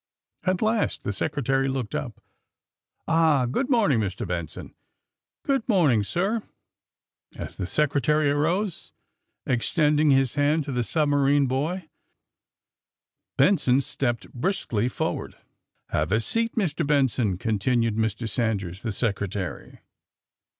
At last the Secretary looked up. "Ah, good morning, Mr. Benson.^'' "Good morning, sir." As the Secretary arose, extending his hand AND THE SMUGGLERS 11 to the submarine boy, Benson stepped briskly forward. *^Have a seat, Mr. Benson,.'' continued Mr. Sanders, the Secretary.